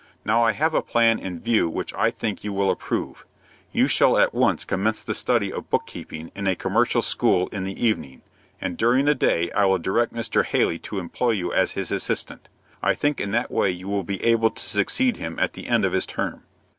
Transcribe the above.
Now, I have a plan in view which I think you will approve. You shall at once commence the study of book keeping in a commercial school in the evening, and during the day I will direct Mr. Haley to employ you as his assistant. I think in that way you will be able to succeed him at the end of his term."